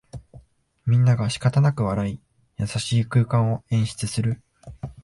みんながしかたなく笑い、優しい空間を演出する